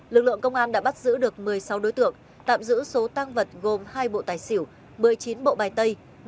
lực lượng công an đã bắt giữ được một mươi sáu đối tượng tạm giữ số tăng vật gồm hai bộ tài xỉu một mươi chín bộ bài tay